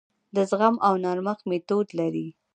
د زغم او نرمښت میتود لري.